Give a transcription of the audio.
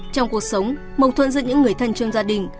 trong cuộc sống mâu thuẫn giữa những người thân trong gia đình